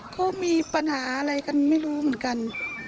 เขามีปัญหาอะไรกันไม่รู้เหมือนกัน